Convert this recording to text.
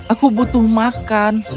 aku butuh makan